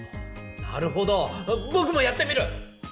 なるほどぼくもやってみる！